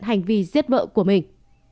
hành vi giết vợ của mình